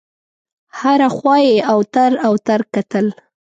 هره خوا یې اوتر اوتر کتل.